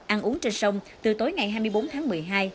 ăn uống trên sông từ tối ngày hai mươi bốn tháng một mươi hai